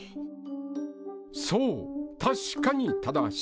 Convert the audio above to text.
そう確かに正しい。